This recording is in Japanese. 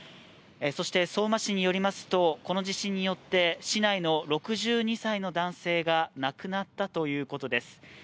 そして、相馬市によりますとこの地震によって、市内の６２歳の男性が亡くなったということです。